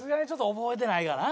覚えてないか。